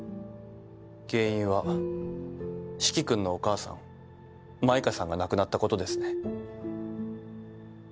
原因は四鬼君のお母さん舞歌さんが亡くなったことですね。